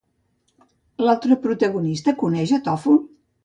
L'altra protagonista coneix a Tòful?